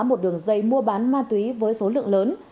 một đường dây mua bán ma túy với số lượng lớn